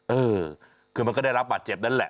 เออคือมันก็ได้รับบาดเจ็บนั่นแหละ